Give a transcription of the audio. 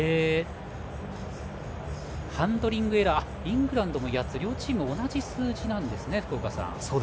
ハンドリングエラーイングランドも８つと両チーム、同じ数字なんですね福岡さん。